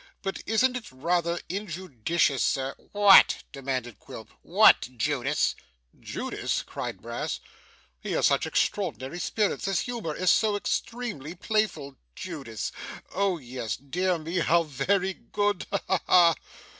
But isn't it rather injudicious, sir ?' 'What?' demanded Quilp. 'What, Judas?' 'Judas!' cried Brass. 'He has such extraordinary spirits! His humour is so extremely playful! Judas! Oh yes dear me, how very good! Ha ha ha!